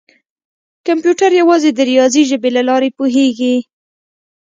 کمپیوټر یوازې د ریاضي ژبې له لارې پوهېږي.